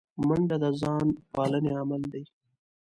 منډه د ځان پالنې عمل دی